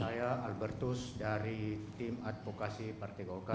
saya albertus dari tim advokasi partai golkar